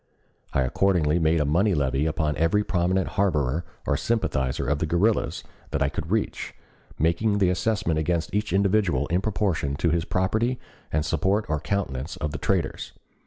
I accordingly made a money levy upon every prominent harborer or sympathizer of the guerrillas that I could reach, making the assessment against each individual in proportion to his property and support or countenance of the traitors.